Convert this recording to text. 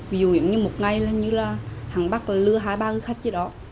ví dụ như một ngày là như là hẳn bác lừa hai ba người khách chứ đó